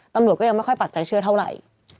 ตำรวจก็ยังไม่ค่อยปักใจเชื่อเท่าไหร่